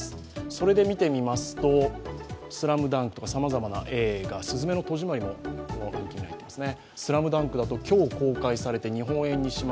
それで見てみますと「ＳＬＡＭＤＵＮＫ」とかさまざまな映画、「すずめの戸締まり」も入ってますね。